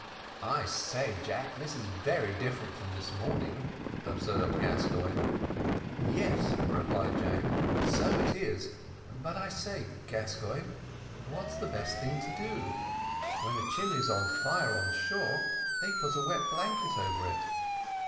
"I say, Jack, this is very different from this morning," observed Gascoigne. "Yes," replied Jack, "so it is; but I say, Gascoigne, what's the best thing to do? when the chimney's on fire on shore, they put a wet blanket over it."